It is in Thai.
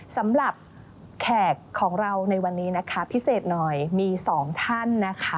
สำหรับแขกของเราในวันนี้พิเศษหน่อยมี๒ท่าน